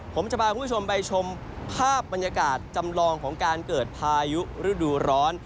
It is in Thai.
ผมจะพาคุณผู้ชมไปชมภาพบรรยากาศจำลองของการเกิดพายุฤดูร้อน